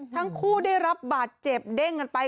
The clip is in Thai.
ทั้งคู่ได้รับบาดเจ็บเด้งกันไป